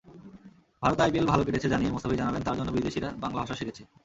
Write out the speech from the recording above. ভারতে আইপিএল ভালো কেটেছে জানিয়ে মুস্তাফিজ জানালেন, তাঁর জন্য বিদেশিরা বাংলা ভাষা শিখেছে।